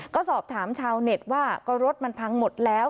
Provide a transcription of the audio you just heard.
ก็สอบถามชาวเน็ตว่าก็รถมันพังหมดแล้ว